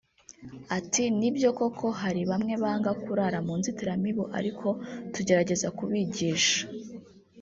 Ati ”Ni byo koko hari bamwe banga kurara mu nzitiramibu ariko tugerageza kubigisha